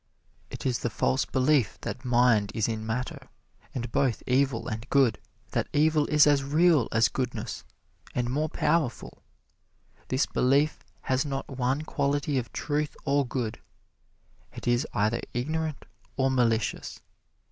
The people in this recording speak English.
"It is the false belief that mind is in matter, and both evil and good; that evil is as real as goodness, and more powerful. This belief has not one quality of truth or good. It is either ignorant or malicious.